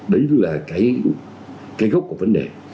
đấy là cái gốc của vấn đề